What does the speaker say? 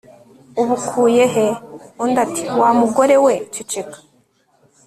ubukuye he » Undi ati « wa mugore we ceceka